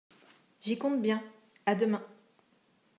J'y compte bien … A demain.